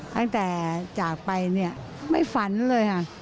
ตั้งแต่จากไปเนี่ยไม่ฝันเลยค่ะ